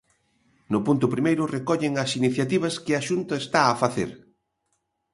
No punto primeiro recollen as iniciativas que a Xunta está a facer.